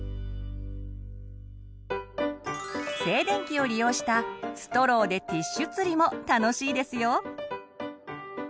静電気を利用した「ストローでティッシュ釣り」も楽しいですよ。